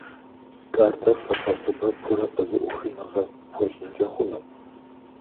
Картэр къэбгъэсэбэпурэ къызэӀухыныгъэ пхуэщӀынкӀэ хъуну?